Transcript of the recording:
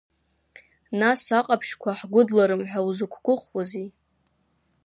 Нас аҟаԥшьқәа ҳгәыдларым ҳәа узықәгәыӷуази?